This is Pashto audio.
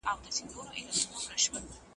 هغه لسي چې ده ورسره و ډېر زوړ و.